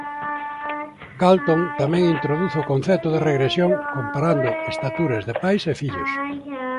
Galton tamén introduce o concepto de regresión comparando estaturas de pais e fillos.